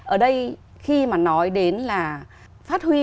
ở đây khi mà nói đến là phát huy